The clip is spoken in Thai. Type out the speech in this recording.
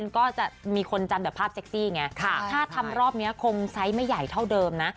ก็จะมีคนจำแบบภาพเซ็กซี่ไงถ้าทำรอบนี้คงไซส์ไม่ใหญ่เท่าเดิมนะ